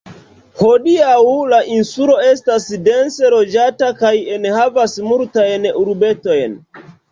Hodiaŭ la insulo estas dense loĝata kaj enhavas multajn urbetojn.